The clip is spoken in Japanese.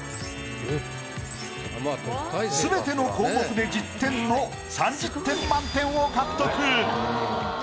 すべての項目で１０点の３０点満点を獲得！